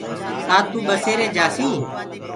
ڪآ تو ٻسيري جآسي؟